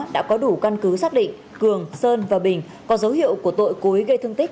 đã có đủ căn cứ xác định cường sơn và bình có dấu hiệu của tội cố ý gây thương tích